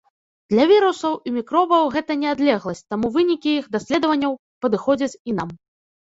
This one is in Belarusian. Для вірусаў і мікробаў гэта не адлегласць, таму вынікі іх даследаванняў падыходзяць і нам.